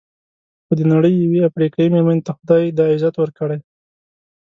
خو د نړۍ یوې افریقایي مېرمنې ته خدای دا عزت ورکړی.